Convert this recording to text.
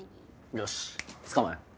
よし捕まえよう。